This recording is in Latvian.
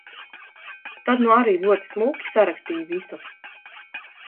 Tad nu arī ļoti smuki sarakstīja visu.